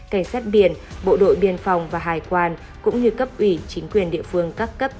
cảnh sát biển bộ đội biên phòng và hải quan cũng như cấp ủy chính quyền địa phương các cấp